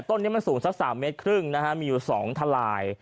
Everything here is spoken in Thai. ต้นนี้มันสูงสัก๓เมตรครึ่งนะฮะมีอยู่๒ทลาย